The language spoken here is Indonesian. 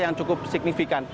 yang cukup signifikan